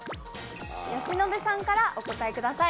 由伸さんからお答えください。